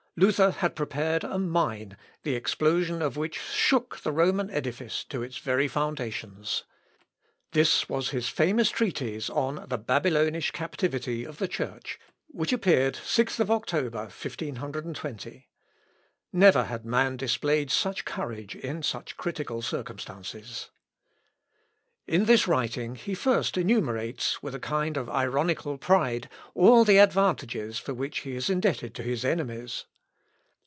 Luther had prepared a mine, the explosion of which shook the Roman edifice to its very foundations. This was his famous treatise on the Babylonish Captivity of the Church, which appeared 6th October, 1520. Never had man displayed such courage in such critical circumstances. L. Op. Lat. xi. 63, and Leip. xvii, p. 511. In this writing he first enumerates, with a kind of ironical pride, all the advantages for which he is indebted to his enemies.